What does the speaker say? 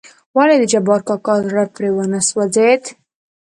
ولې دجبار کاکا زړه پرې ونه سوزېد .